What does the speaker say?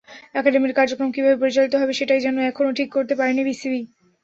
একাডেমির কার্যক্রম কীভাবে পরিচালিত হবে, সেটাই যেন এখনো ঠিক করতে পারেনি বিসিবি।